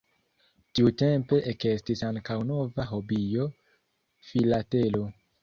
Tiutempe ekestis ankaŭ nova hobio: Filatelo.